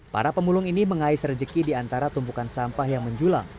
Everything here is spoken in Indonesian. para pemulung ini mengais rejeki di antara tumpukan sampah yang menjulang